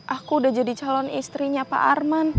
aku udah jadi calon istrinya pak arman